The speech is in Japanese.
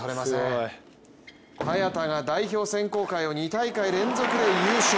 早田が代表選考会を２大会連続で優勝。